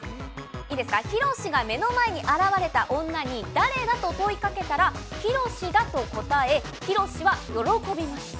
いいですか、ヒロシが目の前に現れた女に誰だ？と問いかけたら、ヒロシだと答え、ヒロシは喜びました。